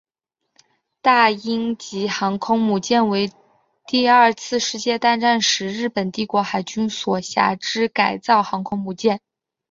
大鹰级航空母舰为第二次世界大战时日本帝国海军所辖之改造航空母舰。